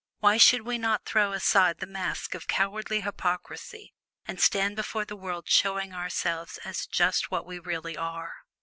Why should we not throw aside the mask of cowardly hypocrisy, and stand before the world showing ourselves as just what we really are?